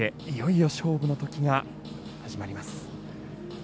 いよいよ勝負の時が始まります。